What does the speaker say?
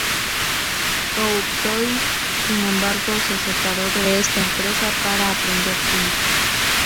Courtois, sin embargo, se separó de esta empresa para aprender química.